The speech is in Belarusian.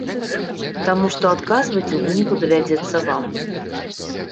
Таму што адказваць у выніку давядзецца вам.